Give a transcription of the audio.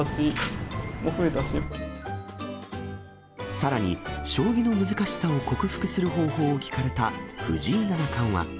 さらに、将棋の難しさを克服する方法を聞かれた藤井七冠は。